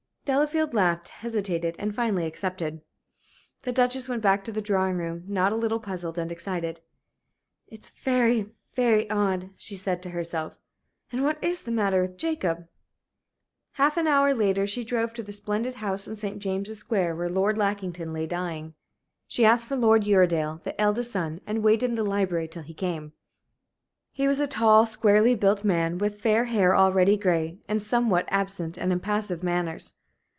Delafield laughed, hesitated, and finally accepted. The Duchess went back to the drawing room, not a little puzzled and excited. "It's very, very odd," she said to herself. "And what is the matter with Jacob?" Half an hour later she drove to the splendid house in St. James's Square where Lord Lackington lay dying. She asked for Lord Uredale, the eldest son, and waited in the library till he came. He was a tall, squarely built man, with fair hair already gray, and somewhat absent and impassive manners.